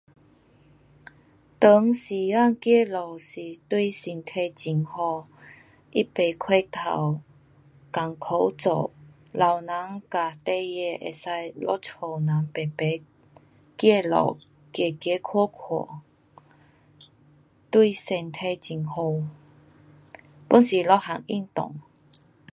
长时间走路是对身体很好。他不过头困苦做。老人和孩儿能够和家人排排走路，走走看看，对身体很好。pun 是一样运动。